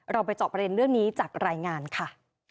เราไปจอบเรื่องนี้จากรายงานค่ะ